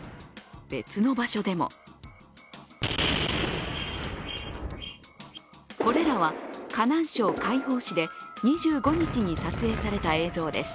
別の場所でもこれらは、河南省開封市で２５日に撮影された映像です。